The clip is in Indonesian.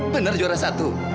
bener juara satu